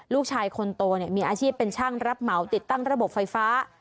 ลูกชายคนโตมีอาชีพเป็นช่างรับเหมาติดตั้งระบบไฟฟ้า